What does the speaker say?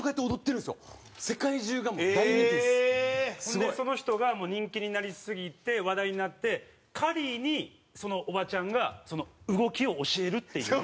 それでその人がもう人気になりすぎて話題になってカリーにそのおばちゃんがその動きを教えるっていう。